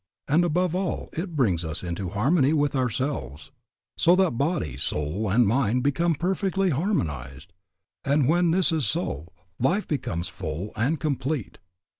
And above all, it brings us into harmony with ourselves, so that body, soul, and mind become perfectly harmonized, and when this is so, life becomes full and complete.